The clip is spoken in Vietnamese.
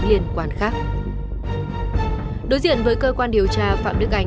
và một đồ sẽ có quần áo tục phục